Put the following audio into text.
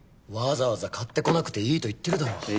わざわざ買ってこなくていいと言ってるだろ。